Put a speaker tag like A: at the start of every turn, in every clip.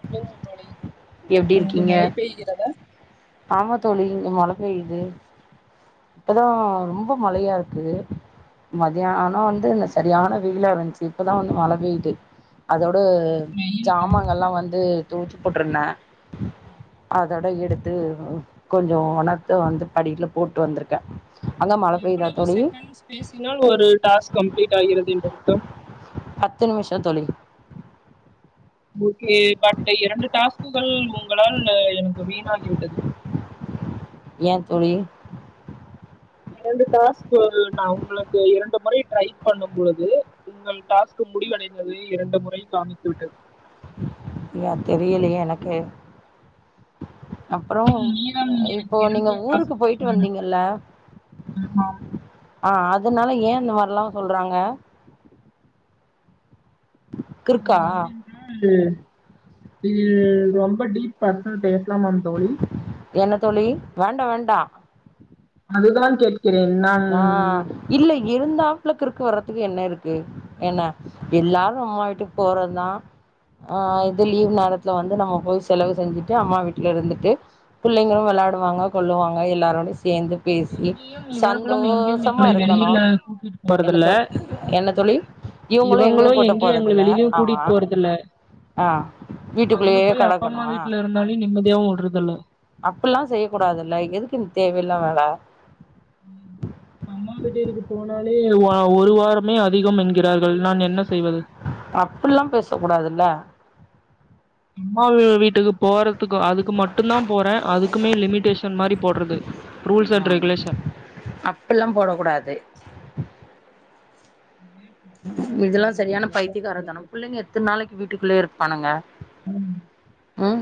A: [inaudible]
B: எப்டி
A: அங்கு
B: இருக்கீங்க
A: மழை பெய்கிறதா
B: ஆமா தோழி இங்க மழ பெய்யுது இப்பதா ரொம்ப மழையா இருக்கு மதியானோ‌ வந்து இந்த சரியான வெயிலா இருந்துச்சு இப்பதா வந்து மழ பெய்து அதோட
A: வெயில் பயம்
B: ஜாமங்கல்லா வந்து தோச்சி போட்டுருந்த அதோட எடுத்து கொஞ்சோ ஒணரத்த வந்து படியில‌ போட் வந்திருக்க அங்க மழ பெய்தா
A: எவ்வளவு
B: தோழி
A: செகண்ட்ஸ் பேசினால் ஒரு டாஸ்க் கம்ப்ளீட் ஆகிறது என்று அர்த்தம்
B: பத்து நிம்ஷோ தோழி
A: ஓகே பட்டு இரண்டு டாஸ்க்குகள் உங்களால் எனக்கு வீணாகி விட்டது
B: ஏ தோழி
A: இரண்டு டாஸ்க்கள் நா உங்களுக்கு இரண்டு முறை ட்ரை பண்ணும் பொழுது உங்கள் டாஸ்க் முடிவடைந்தது இரண்டு முறை காமித்து விட்டது
B: ஏ தெரியலையே எனக்கு அப்புறோ
A: இன்னும் மீதம் எனக்கு
B: இப்போ நீங்க
A: இரண்டு
B: ஊருக்கு
A: டாஸ்க்குகளே
B: போயிட்டு
A: உள்ளன
B: வந்தீங்கல்ல
A: ஆமாம்
B: ஆ அதனால ஏ இந்தமார்ல்லா சொல்றாங்க கிறுக்கா
A: [inaudible] இது இது ரொம்ப டீப் பெஸ்னல் பேசலாமாதோழி?
B: என்ன தோழி வேண்டா வேண்டா
A: அதுதான் கேக்
B: ஆ இல்ல இருந்தாப்ல கிருக் வர்ரதுக்கு என்ன இருக்கு என்ன எல்லாரும் அம்மா வீட்டுக்கு போறதுதான் ஆ இது லீவ் நேரத் ல வந்து நம்ம போய் செலவு செஞ்சுட்டு அம்மா வீட்டுல இருந்துட்டு பிள்ளைங்களும் விளையாடுவாங்க கொல்லுவாங்க எல்லாரோடையும் சேந்து பேசி
A: எங்கேயும் இவர்களும் எங்கேயும்
B: சந்தோஷமா
A: எங்களை
B: இருக்கணு
A: வெளியில கூட்டிட்டு
B: என்ன
A: போறதில்ல
B: தோ என்ன தோழி இவுங்களும் எங்கேயும்
A: இவங்களும்
B: கூட்ட
A: எங்களை
B: போறதுல
A: வெளியிலயும்
B: அவ
A: கூட்டிட்டு போறதில்ல
B: ஆ
A: அங்க
B: வீட்டுக்குள்ளயயே
A: போய் அப்பா அம்மா
B: கடக்கணுமா
A: வீட்ல இருந்தாலும் நிம்மதியாவும் விடுறதில்ல
B: அப்ட் எல்லாம் செய்ய கூடாதுல்ல எதுக்கு இந்த தேவையில்லா வேல
A: ம் அம்மா வீடு இருக்கு போனா லே ஒ ஒரு வாரமே அதிகம் என்கிறார்கள் நான் என்ன செய்வது
B: அப்டில்லாம் பேச கூடாதுல்ல
A: அம்மா வீட்டுக்கு போறதுக்கு அதுக்கு மட்டும் தான் போறேன் அதுக்குமே லிமிடேஷன் மாரி போட்றது
B: ஆ அப்பல்லாம் போட கூடாது
A: உம்
B: இதெல்லாம் சரியான பைத்தியகார தானொ பிள்ளைங்க எத்தன நாளைக்கு வீட்டுக்குள்ளயே இருப்பாங்க ம்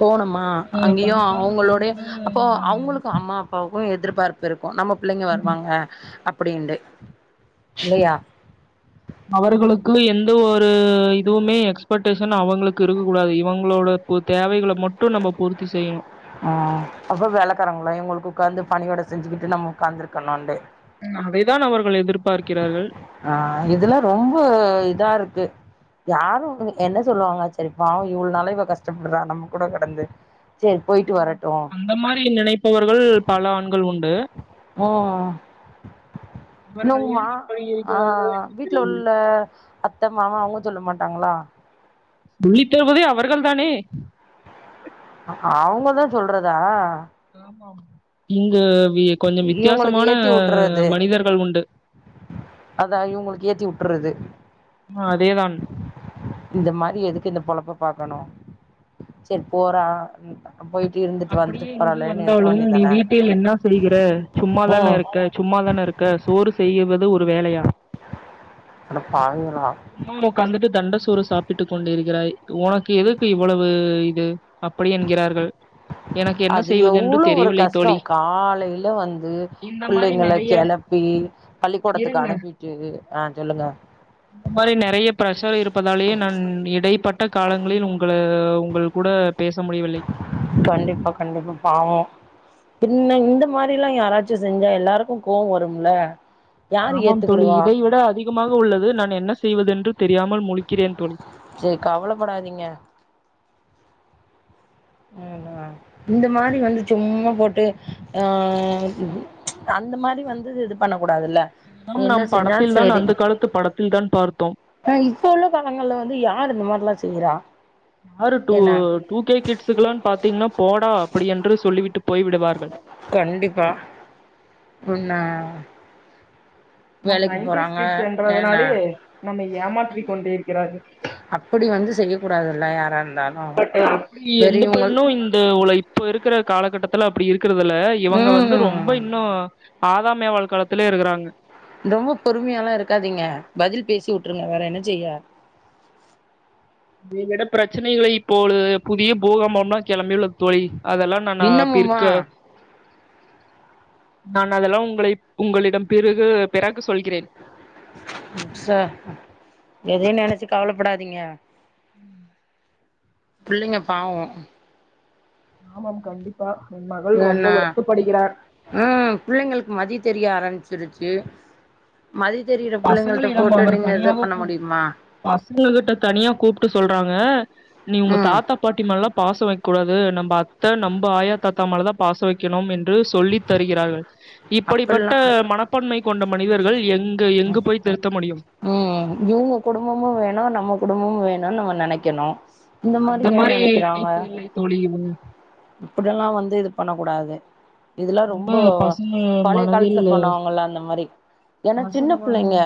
B: போனமா
A: ஒரு
B: அங்கேயும்
A: படிக்காத பெண்
B: அவங்களோட
A: கூட
B: அப்போ அவுங்களுக்கு அம்மா க்கும் எதிர்பார்ப்பு இருக்கும் நம்ம பிள்ளைங்க
A: இந்த
B: வருவாங்க அப்படின்ட்டு இல்லையா
A: அவர்களுக்கு எந்த ஒரு இதுவுமே எக்ஸ்பெக்டேஷன் அவங்களுக்கு இருக்க கூடாது இவங்களோட உ தேவைகள மட்டும் நம்ம பூர்த்தி செய்யணும்
B: ஆ அப்ப வேலக்காரங்களா இவுங்களுக்கு உட்காந்து பணியோட செஞ்சுக்கிட்டு நம்ம உக்காந்துருக்கணுன்ட்டு
A: ம் அதைதான் அவர்கள் எதிர்பார்க்கிறார்கள்
B: ஆ இதுலாம் ரொம்பொ இதா இருக்கு யாரும் என்ன சொல்லுவாங்க சரிப் பாவோ இவ்ளோ நாளும் இவ கஷ்டப்படுறா நம்ம கூட கடந்து சரி போயிட்டு
A: உம்
B: வரட்டு
A: அந்த மாரி நினைப்பவர்கள் பல ஆண்கள் உண்டு
B: ஓ
A: அவர்கள் ஏன் இப்படி
B: ஆ
A: இருக்கிறார்கள் என்று
B: வீட்ல
A: தெரியவில்லை
B: உள்ள அத்த மாமா அவுங்க சொல்ல மாட்டாங்களா
A: உள்ளி தருவதே அவர்கள் தானே
B: அ அவங்கதான் சொல்றதா
A: ஆமா இங்க கொஞ்சம்
B: இவங்களுக்கு
A: வித்தியாசமான
B: ஏத்தி வுட்டுறது
A: மனிதர்கள் உண்டு
B: அதா இவுங்களுக்கு ஏத்தி விட்றது
A: ஆ அதேதான்
B: இந்த மாரி எதுக்கு இந்த பொழப்ப பாக்கணும் சரி போறா ம் போயிட்டு இருந்து
A: அப்டியே இங்கு வந்தாலும் நீ வீட்டில் என்ன செய்கிற சும்மாதான
B: ம்
A: இருக்க சும்மாதான இருக் க சோறு செய்யுவது ஒரு வேலையா
B: அட பாவிங்களா
A: சும்மா உக்காந்துட்டு தெண்ட சோறு சாப்பிட்டு கொண்டிருக்கிறாய் உனக்கு எதுக்கு இவ்வளவு இது அப்படி என்கிறார்கள் என்
B: அது எவ்வளோ ஒரு கஷ்டம் காலையில வந்து
A: இந்த மாரி
B: பிள்ளைங்கள
A: நெறைய
B: கெளப்பி பள்ளிக்கூடத்துக்கு
A: இருங்க
B: அனுப்பிட்டு ஆ சொல்லுங்க
A: இந்த மாரி நிறைய பிரஷர் இருப்பதாலேயே நான் இடைப்பட்ட காலங்களில் உங்கள உங்கள் கூட பேச முடியவில்லை
B: கண்டிப்பா கண்டிப்பா பாவோ பின்ன இந்த மாரில்லா யாராச்சு செஞ்சா எல்லாருக்கு கோவ வரும்ல யாரு
A: ஆமாம் தோழி
B: ஏத்துக்கிடுவா
A: இதை விட அதிகமாக உள்ளது நான் என்ன செய்வதென்று தெரியாமல் முழிக்கிறேன் தோழி
B: சரி கவலப்படாதீங்க ம் ஆ இந்த மாதிரி வந்து சும்மா போட்டு அ அந்த மாரி வந்து இது பண்ண கூடாதுல்ல என்ன
A: நம்
B: செஞ்சாலு
A: படத்தில் தான்
B: சேரி
A: அந்த காலத்து படத்தில் தான் பார்த்தோம்
B: ஆ இப்ப உள்ள காலங்கள்ல வந்து யார் இந்த மாரில்லா செய்றா
A: யாரு டூ
B: என்ன
A: டூ கே கிட்ஸுக்குலாம்னு பாத்தீங்கன்னா போடா அப்பிடி என்று சொல்லிவிட்டு போய் விடுவார்கள்
B: கண்டிப்பா உன்ன
A: நம் நைடிஸ் கிட்ஸ்
B: என்ன
A: என்றதுனாலே நம்மை ஏமாற்றி கொண்டிருக்கிறார்கள்
B: அப்பிடி வந்து செய்யக்கூடாதுல்ல யாரா இருந்தாலு
A: பட்டு எப்பிடி எந்த
B: பெரியவங்கள்
A: பெண்ணு இந் த உள்ள இப்ப இருக்குற காலகட்டத்துல அப்பிடி இருக்குறதுல இவங்க வந்து ரொம்ப
B: ம்
A: இன்னோ ஆதாம் ஏவால் காலத்துலயே இருக்குறாங்க
B: ரொம்ப பொறுமையாலா இருக்காதீங்க பதில் பேசி உட்டுருங்க வேற என்ன செய்ய
A: இதை விட பிரச்சனைகளை இப்போழு புதிய பூகாம்மம்மா கெளம்பி உள்ள தோழி அதெல்லா ந நா இப்ப
B: இன்னமுமா
A: இருக்க நா அதெல்லா உங்களை உங்களிடம் பிறகு பிறகு சொல்கிறேன்
B: ச எதையும் நெனச்சு கவலப்படாதீங்க புள்ளைங்க பாவோ
A: ஆமாம் கண்டிப்பா என் மகள் ரொம்ப வருத்தப்படுகிறார்
B: அ புள்ளைங்களுக்கு மதி தெரிய ஆரம்பிச்சிருச்சு மதி தெரிகிற புள்ளைங்கள்ட்ட
A: பசங்களிடம்
B: போட்டு
A: அவர்
B: நீங்க இத
A: தனியாக
B: பண்ண
A: கூ
B: முடியுமா
A: பசங்க கிட்ட தனியா கூப்ட்டு சொல்றாங்க நீ உங்க
B: ம்
A: தாத்தா பாட்டி மேலலா பாச வைக்க கூடாது நம்ம அத்த நம்ப ஆயா தாத்தா மேல தா பாச வைக்கணும் என்று சொல்லித் தருகிறார்கள் இப்படிப்பட்ட
B: அப்பல்லா
A: மனப் பான்மை கொண்ட மனிதர்கள் எங்க எங்கு போய் திருத்த முடியும்
B: ம் இவுங்க குடும்பமும் வேணும் நம்ம குடும்பமும் வேணும்னு நம்ம நினைக்கணு
A: அந்த மாரி நடைப்பு இல்லை தோழி இது
B: இப்டியெல்லா வந்து இது பண்ண கூடாது இதுல்லா ரொம்ப
A: பசங்க
B: பழைய காலத்துல
A: மனதில்
B: பண்ணுவாங்கல்லா அந்த மாரி ஏன்னா சின்ன
A: பசங்க மனதில்
B: பிள்ளைங்க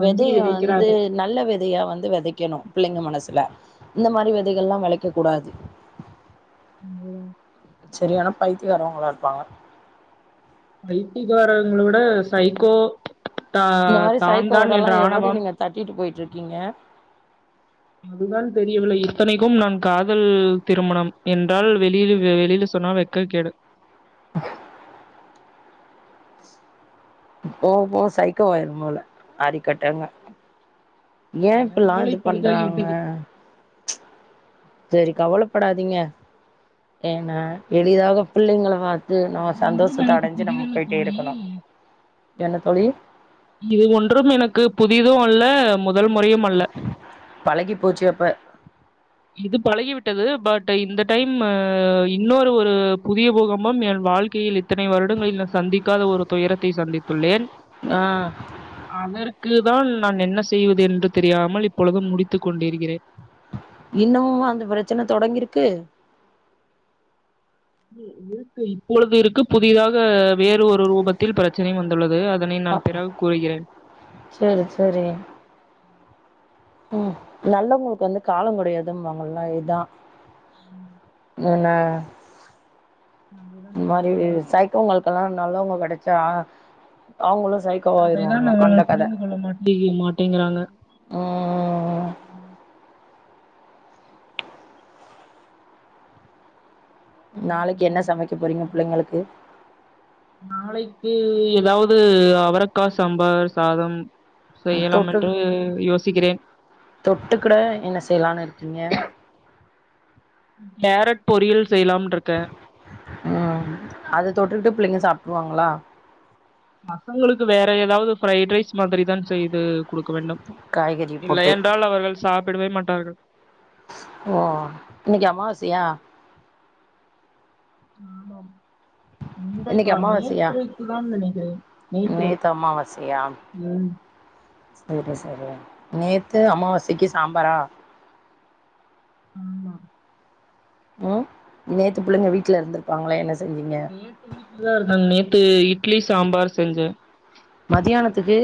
A: நஞ்சை
B: வெதய வந்து
A: விதைக்கிறார்கள்
B: நல்ல வெதையா வந்து வெதைக்கணு பிள்ளைங்க மனசுல இந்த மாரி வெதைகள்ல்லா வெதைக்க கூடாது
A: ம்
B: சரியானா பைத்தகாரவங்களா இருப்பாங்க
A: பைத்தியகாரங்களவிட சைகோ த
B: இந்த மாரி
A: தான் தான்
B: சைக்கோவோடல்லா
A: என்ற
B: எவடி
A: ஆணவம்
B: நீங்க தட்டிட்டு போயிட்டு இருக்கீங்க
A: அதுதான் தெரியவில்லை இத்தனைக்கு நான் காதல் திருமணம் என்றால் வெளியில வெளியில சொன்னா வெக் க கேடு
B: போ போ சைக்கோ வாயிரு போல அரிக்கட்டங்க ஏ
A: என்
B: இப்பல்லா
A: மூளை
B: இது
A: பழுதாகி
B: பண்றாங்க
A: விட்டது
B: சரி கவலப்படாதீங்க ஏன்னா எளிதாக பிள்ளைங்கள வா இது நம்ம
A: ஒன்றும்
B: சந்தோஷத்த
A: எனக்கு
B: அடைஞ்சு நம்ம
A: புதிதல்ல
B: போயிட்டே
A: தோழி
B: இருக்கணோ என்ன தோழி
A: இது ஒன்றும் எனக்கு புதிதும் அல்ல முதல் முறையும் அல்ல
B: பழகி போச்சு அப்ப
A: இது பழகி விட்டது பட் இந்த டைமு இன்னோரு ஒரு புதிய பூகம்பம் என் வாழ்க்கையில் இத்தனை வருடங்களில் நா சந்திக்காத ஒரு துயரத்தை சந்தித்துள்ளேன்
B: ஆ
A: அதற்கு தான் நான் என்ன செய்வது என்று தெரியாமல் இப்பொழுது முடித்து கொண்டிருக்கிறேன்
B: இன்னமுமா அந்த பிரச்சன தொடங்கிருக்கு
A: இருக்கு இருக்கு இப்பொழுது இருக்கு புதியதாக வேறு ஒரு ரூபத்தில் பிரச் சனை வந்துள்ளது அதனை நான் பிறகு கூறுகிறேன்
B: செரி செரி ம் நல்லவுங்குளுக்கு வந்து காலோ கெடையாதும்பாங்கல்ல இதுதா என்ன
A: அதுதான்
B: இந்த
A: என்ன
B: மாரி
A: பண்றது
B: சைக்கோங்களுக்கெல்லா நல்லவுங்க கெடைச்சா அவங்களு சைக்
A: அதைதா அவர்கள் புரிந்து கொள்ள மாட்டே மாட்டேங்கிறாங்க
B: ம் நாளைக்கு
A: செய்வது
B: என்ன
A: என்று
B: சமைக்க போறீங்க
A: தெரியாம
B: பிள்ளைங்களுக்கு
A: நாளைக்கு ஏதாவது அவரக்கா சாம்பார் சாதம் செய்யலாமென்று யோசிக்கிறேன்
B: தொட்டுக்குட என்ன செய்யலானு இருக்கீங்க
A: கேரட் பொரியல் செய்யலாம்ட்ருக்கே
B: ம் அத தொட்டுட்டு புள்ளைங்க சாப்ட்றுவாங்களா
A: பசங்களுக்கு வேற ஏதாவது ஃப்ரைட் ரைஸ் மாதிரி தா செய்து குடுக்க வேண்டும்
B: காய்கறி போட்டு
A: இல்லயென்றால் அவர்கள் சாப்புடவே மாட்டார்கள்
B: ஓ இன்னைக்கி அம்மாவாசையா
A: ஆமாம்
B: இன்னைக்கு
A: இன்றைக்கா
B: அமாவாசையா
A: நேற்றைக்கு தான் நெனைக்கிறேன் நேற்று
B: நேத்து அமாவாசையா
A: ம்
B: செரி செரி நேத்து அமாவாசைக்கு சாம்பாரா
A: ஆமா
B: ம் நேத்து பிள்ளைங்க வீட்ல இருந்திருப்பாங்களே என்ன செஞ்சீங்க
A: நேற்று வீட்ல தா இருந்தாங்க நேத்து இட்லி சாம்பார் செஞ்சே
B: மதியானத்துக்கு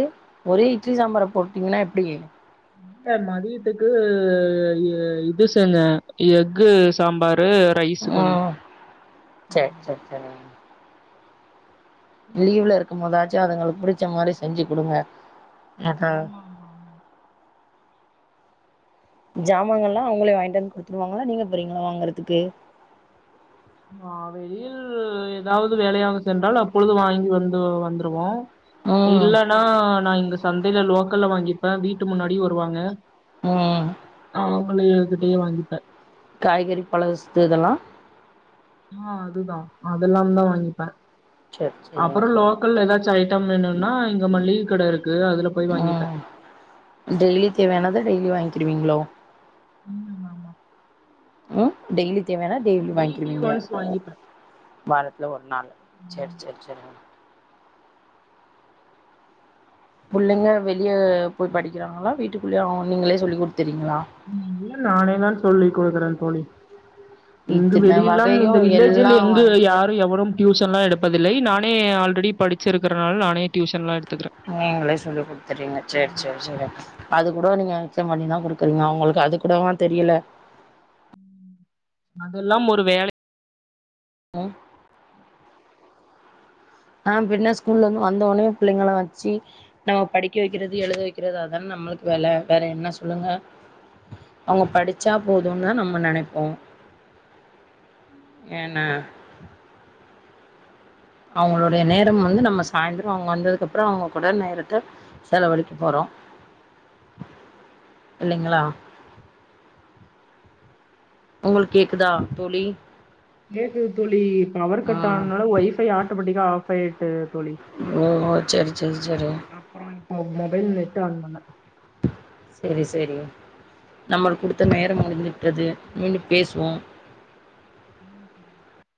B: ஒரே இட்லி சாம்பார போட்டீங்கன்னா எப்டி
A: இல்ல மதியத்துக்கு இது செஞ்சே எஃகு சாம்பாரு ரைஸு கொஞ்சோ
B: உம் செர் செர் செ லீவுல இருக்கும் போதாச்சு அதுங்குளுக்கு புடிச்ச மாதிரி செஞ்சு குடுங்க
A: ஆமா ஆமா ஆமா
B: ஜாமாங்கலா அவுங்களே வாங்கிட்டு வந்து குடுத்துருவாங்களா நீங்க போறீங்களா வாங்குறதுக்கு
A: நா வெளியில் ஏதாவது வேலையாக சென்றால் அப்பொழுது வாங்கி வந்து வந்துருவோ
B: ம்
A: இல்லன்னா நா இங்க சந்துல லோக்கல்ல வாங்கிப்பே வீட்டு முன்னாடி வருவாங்க
B: ம்
A: அவுங்களேயேகிட்டயே வாங்கிப்பே
B: காய்கறி பழ வஸ்து இதலா
A: ஆ அதுதா அதெல்லாம்தா வங்கிப்பே
B: சேர் சேரி
A: அப்புறோ லோ க்கல் ஏதாச்சு ஐட்டம் வேணுனா இங்க மல்லிக கடை இருக்கு அதுல போய் வாங்கிப்பே
B: ம் டெய்லி தேவையானத டெய்லி வாங்கீடுவீங்ளோ
A: உம் ஆமா
B: உம் டெய்லி தேவையானா டெய்லியு
A: வீக்லி
B: வாங்கீடுவீங்க
A: ஒன்ஸ் வாங்கிப்பே
B: வாரத்துல ஒரு நாள் சேர் சேர் சேர் புள்ளைங்க வெளிய போய் படிக்கிறாங்களா வீட்டுக்குள்ளயே அவுங் நீங்களே சொல்லி் குடுத்துறீங்களா
A: இல்ல நானே தா சொல்லி குடுக்குறேன் தோழி இங்கு
B: இத்தன
A: வெளியல்லாம்
B: வகையு
A: இந்த வில்லேஜில்
B: எல்லா
A: எங்க
B: வந்து
A: யாரும் எவரும் டியூஷன்லா எடுப்பதில்லை நானே ஆல்ரெடி படிச்சிருக்கிறனால் நானே டியூஷன்லா எடுத்துக்கிறே
B: நீங்களே சொல்லி குடுத்துறீங்க சேர் சேர் சேரி அது கூட நீங்க மிச்சம் பண்ணிதா குடுக்குறீங்க அவுங்களுக்கு அது கூடவா தெரியல
A: அதெல்லாம் ஒரு வேலை
B: அ ஆ பின்ன ஸ்கூல்ல இருந்து வந்தோனே பிள்ளைங்கள வச்சு நம்ம படிக்க வைக்கிறது எழுத வைக்கிறது அதானே நம்மளுக்கு வேலை வேற என்ன சொல்லுங்க அவுங்க படிச்சா போதுன்னு தா நம்ம நினைப்போ ஏனா அவுங்களுடைய நேரம் வந்து நம்ம சாய்ந்திர அவுங்க வந்ததுக்கு அப்புற அவங்க கூட நேரத்த செலவழிக்க போறோ இல்லைங்களா உங்களுக்கு கேக்குதா தோழி
A: கேக்குது தோழி பவர்
B: ஆ
A: கட் ஆனனால ஒய்ஃபை ஆட்டோமேட்டிக்கா ஆஃப் ஆயிட்டு தோழி
B: ஓ ஓ செரி செரி செரி
A: அப்புற இப்ப மொபைல் நெட்டு ஆன் பண்ண
B: செரி செரி நம்மளுக்கு குடுத்த நேரம் முடிஞ்சுட்டுது மீண்டும் பேசுவோ
A: உம்